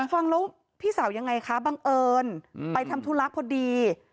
ฟังแล้วพี่สาวยังไงคะบังเอิญไปทำธุระพอดี